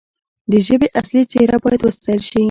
د ژبې اصلي څیره باید وساتل شي.